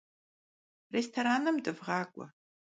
Рестораным дывгъакӏуэ.